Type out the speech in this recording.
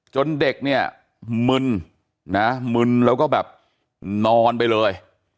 จนเด็กเนี่ยมึนนะมึนแล้วก็แบบนอนไปเลย